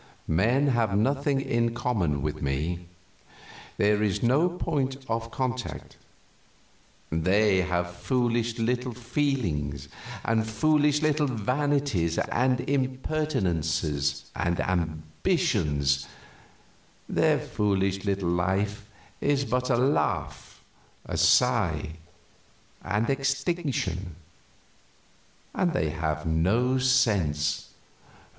Men have nothing in common with me there is no point of contact; they have foolish little feelings and foolish little vanities and impertinences and ambitions; their foolish little life is but a laugh, a sigh, and extinction; and they have no sense.